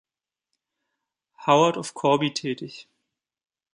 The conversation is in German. Howard of Corbie tätig.